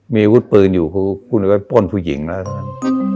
มีอาวุธปืนอยู่คุณก็ป้นผู้หญิงแล้ว